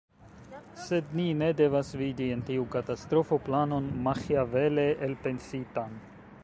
Sed ni ne devas vidi en tiu katastrofo planon maĥiavele elpensitan.